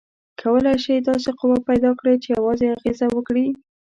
کولی شئ داسې قوه پیداکړئ چې یوازې اغیزه وکړي؟